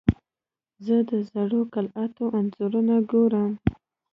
زه د زړو قلعاتو انځورونه ګورم.